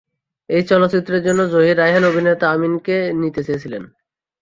এ চলচ্চিত্রের জন্য জহির রায়হান অভিনেতা আমিনকে নিতে চেয়েছিলেন।